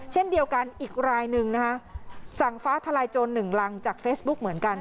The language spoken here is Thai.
เช่นเดียวกันอีกรายหนึ่งนะคะสั่งฟ้าทลายโจรหนึ่งรังจากเฟซบุ๊กเหมือนกัน